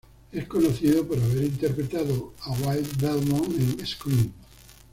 Es conocido por haber interpretado a Will Belmont en "Scream".